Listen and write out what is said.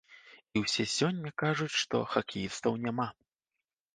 І ўсе сёння кажуць, што хакеістаў няма.